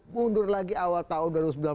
mundur lagi awal tahun dua ribu sembilan belas